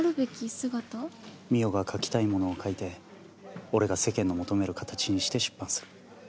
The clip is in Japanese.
澪が書きたいものを書いて俺が世間の求める形にして出版する。